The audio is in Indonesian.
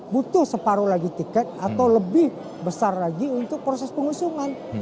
butuh separuh lagi tiket atau lebih besar lagi untuk proses pengusungan